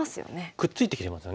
くっついてきてますよね。